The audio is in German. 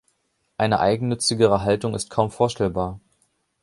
Eine eigennützigere Haltung ist kaum vorstellbar.